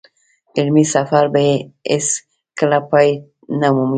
علمي سفر به يې هېڅ کله پای نه مومي.